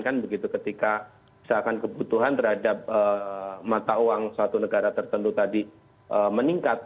kan begitu ketika misalkan kebutuhan terhadap mata uang suatu negara tertentu tadi meningkat